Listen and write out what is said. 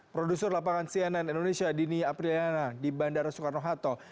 produser lapangan cnn indonesia dini apriliana di bandara soekarno hatta